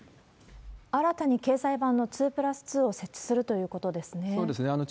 新たに経済板の２プラス２を設置するということですね。